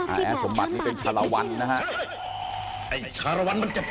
แอสมบัตินี่เป็นชาลวันนะฮะ